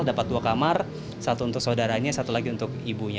dapat dua kamar satu untuk saudaranya satu lagi untuk ibunya